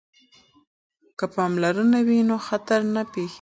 که پاملرنه وي نو خطر نه پیښیږي.